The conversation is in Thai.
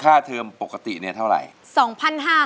เทอมปกติเนี่ยเท่าไหร่